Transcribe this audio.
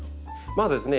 まずですね